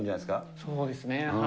そうですね。